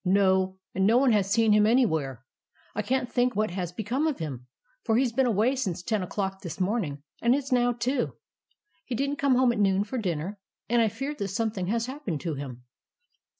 " No, and no one has seen him anywhere. I can't think what has become of him, for he 's been away since ten o'clock this morn ing, and it 's now two. He did n't come home at noon for dinner, and I fear that something has happened to him."